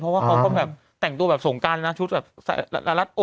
เพราะว่าเขาก็แบบแต่งตัวแบบสงการเลยนะชุดแบบละรัดอก